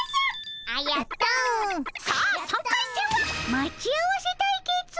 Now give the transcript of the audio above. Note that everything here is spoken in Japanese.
待ち合わせ対決。